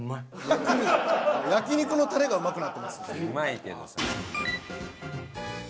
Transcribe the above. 焼肉のタレがうまくなってますよ。